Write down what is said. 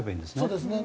そうですね。